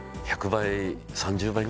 １００倍。